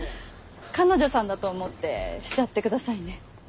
彼女さんだと思ってしちゃってくださいね。